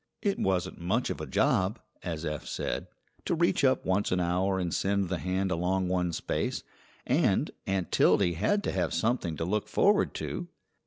"It wasn't much of a job," as Eph said, "to reach up once an hour and send the hand along one space, and Aunt Tildy had to have something to look forward to."